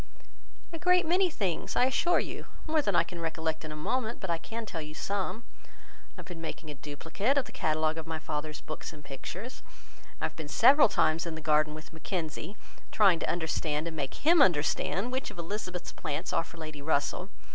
"A great many things, I assure you. More than I can recollect in a moment; but I can tell you some. I have been making a duplicate of the catalogue of my father's books and pictures. I have been several times in the garden with Mackenzie, trying to understand, and make him understand, which of Elizabeth's plants are for Lady Russell.